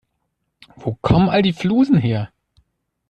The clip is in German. Wo kommen all die Flusen her?